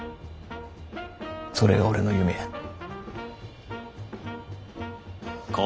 それが俺の夢や。